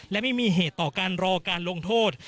และไม่มีเหตุต่อการรอการลงโทษ